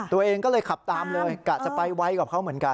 ตัวเองก็เลยขับตามเลยกะจะไปไวกว่าเขาเหมือนกัน